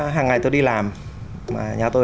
hàng ngày tôi đi làm mà nhà tôi